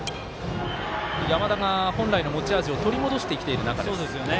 山田が本来の持ち味を取り戻してきている中です。